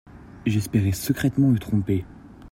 J’espérais secrètement me tromper